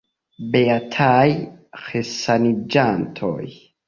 Beataj resaniĝantoj.